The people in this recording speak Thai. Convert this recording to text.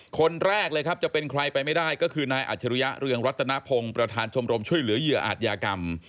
คนแรกเลยครับจะเป็นใครไปไม่ได้ก็คือนายอัจฉริยะเรืองรัตนพงศ์ประธานชมรมช่วยเหลือเหยื่ออาจยากรรม